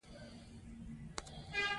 هغه د خان قره باغي د هنري ډلې دولس کلن هلک و.